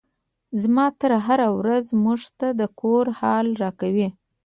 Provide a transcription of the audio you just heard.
زما تره هره ورځ موږ ته د کور حال راکوي.